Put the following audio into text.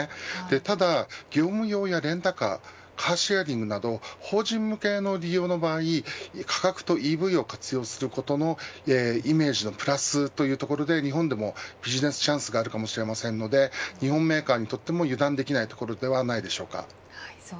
ただ、業務用やレンタカーカーシェアリングなど法人向けの利用の場合価格とＥＶを活用することのイメージのプラスというところで、日本でもビジネスチャンスがあるかもしれませんので日本メーカーにとっても油断できないところです。